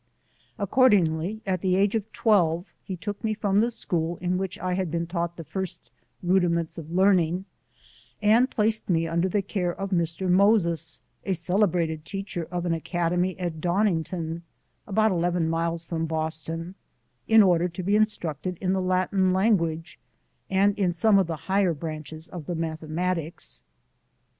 Accordingly at the age of twelve he took me from the school in which I had been taught the first rudiments of learning, and placed me under the care of Mr. Moses, a celebrated teacher of an academy at Donnington, about eleven miles from Boston, in order to be instructed in the Latin language, and in some of the higher branches of the Mathematics.